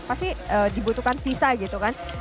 pasti dibutuhkan visa gitu kan